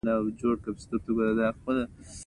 هغه د کانونو او صنایعو پخوانی وزیر و او واک ته ورسېد.